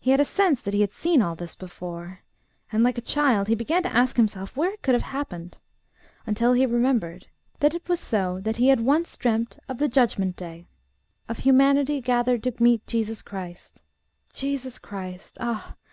He had a sense that he had seen all this before; and, like a child, he began to ask himself where it could have happened, until he remembered that it was so that he had once dreamt of the Judgment Day of humanity gathered to meet Jesus Christ Jesus Christ! Ah!